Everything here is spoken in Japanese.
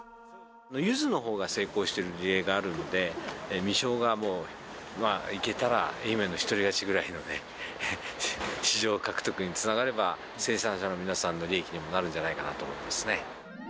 ユズのほうが成功している事例があるので、ミショーがもう、いけたら、愛媛の一人勝ちぐらいのね、市場獲得につながれば、生産者の皆さんの利益にもなるんじゃないかなと思いますね。